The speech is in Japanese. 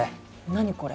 何これ？